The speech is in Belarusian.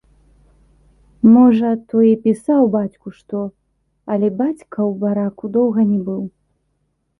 Можа, той і пісаў бацьку што, але бацька ў бараку доўга не быў.